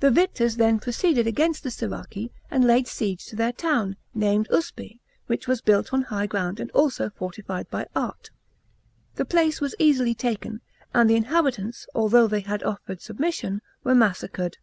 The victors then proceeded against the Siraci, and laid siege to their town, named Uspe, which was built on high ground and also fortified by art. The place was easily taken, and the inhabitants, although thev had offered submission, were massacred.